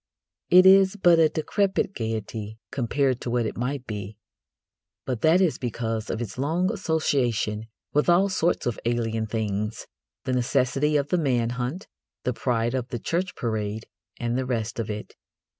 It is but a decrepit gaiety compared to what it might be. But that is because of its long association with all sorts of alien things the necessity of the man hunt, the pride of the church parade, and the rest of it.